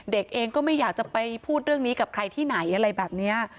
เด็กเองก็ไม่อยากจะไปพูดเรื่องนี้กับใครที่ไหนอะไรแบบนี้